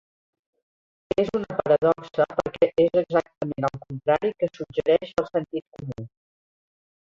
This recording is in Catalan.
És una paradoxa perquè és exactament el contrari que suggereix el sentit comú.